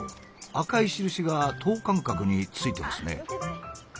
赤い印が等間隔についてますね。